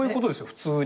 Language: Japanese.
普通に。